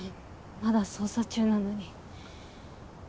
まだ捜査中なのに。